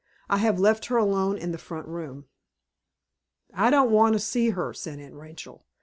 I have left her alone in the front room." "I don't want to see her," said Aunt Rachel.